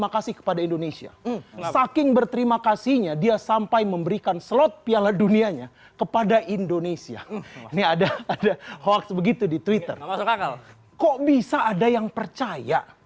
kok bisa ada yang percaya